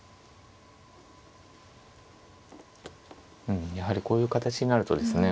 うんやはりこういう形になるとですね